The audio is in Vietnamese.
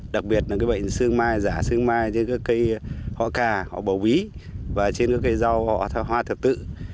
đặc biệt là bệnh xương mai giả xương mai trên các cây họ cà họ bầu bí và trên các cây rau họ hoa thập tự